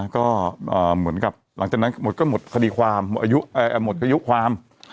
ก็เหมือนกับหลังจากนั้นก็หมดคดีความหมดอายุความ